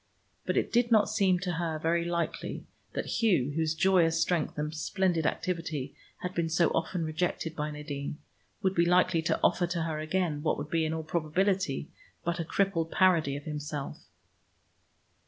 But it did not seem to her very likely that Hugh, whose joyous strength and splendid activity had been so often rejected by Nadine, would be likely to offer to her again what would be, in all probability, but a crippled parody of himself.